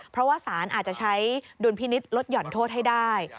เพราะว่าสารอาจจะใช้ดุลพินิษฐ์ลดหย่อนโทษให้ได้